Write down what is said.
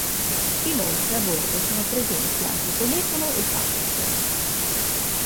Inoltre, a bordo sono presenti anche telefono e fax.